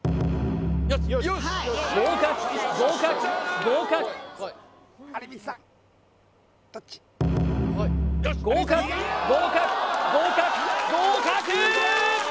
合格合格合格合格合格合格合格！